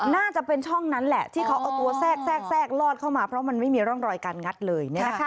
น่าจะเป็นช่องนั้นแหละที่เขาเอาตัวแทรกลอดเข้ามาเพราะมันไม่มีร่องรอยการงัดเลย